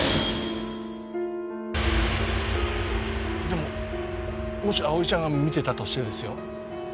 でももし葵ちゃんが見てたとしてですよ